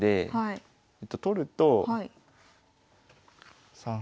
取ると３八角。